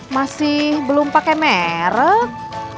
masih belum pakai merek